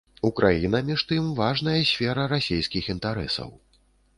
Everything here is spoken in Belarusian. Украіна між тым важная сфера расейскіх інтарэсаў.